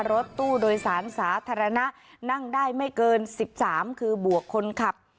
รถตู้โดยสารสาธารณะนั่งได้ไม่เกิน๑๓คือบวกคนขับ